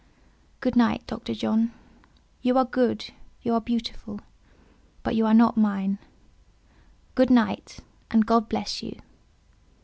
"Good night, Dr. John; you are good, you are beautiful; but you are not mine. Good night, and God bless you!"